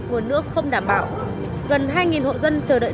vùa nước không đảm bảo gần hai hộ dân chờ đợi nước sạch